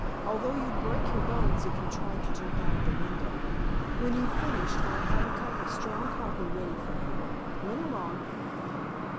Although you'd break your bones if you tried to jump out of the window. When you've finished I'll have a cup of strong coffee ready for you. Run along."